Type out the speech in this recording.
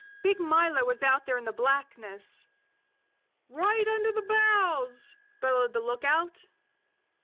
Big Milo was out there in the blackness. "Right under the bows!" bellowed the lookout.